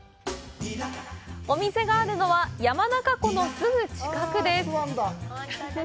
お店があるのは、山中湖のすぐ近くです。